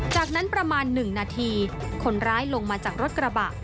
จากนั้นประมาณ๑นาทีคนร้ายลงมาจากรถกระบะ